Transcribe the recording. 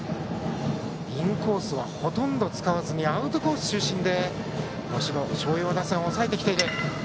インコースはほとんど使わずにアウトコース中心で能代松陽打線を抑えてきている。